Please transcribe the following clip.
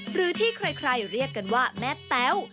หรือที่ใครเรียกกันว่าแม่แต้ว